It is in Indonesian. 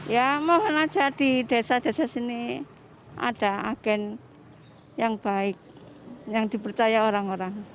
ya mohon aja di desa desa sini ada agen yang baik yang dipercaya orang orang